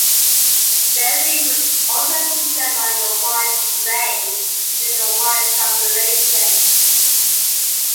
Bailiff was also featured on The Wire's Brain in the Wire compilation.